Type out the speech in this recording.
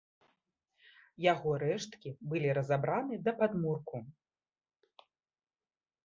Яго рэшткі былі разабраны да падмурку.